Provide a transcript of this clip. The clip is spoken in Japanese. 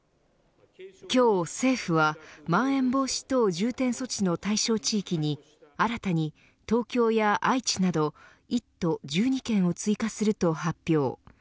今日政府はまん延防止等重点措置の対象地域に新たに、東京や愛知など１都１２県を追加すると発表。